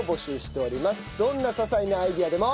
どんな些細なアイデアでも。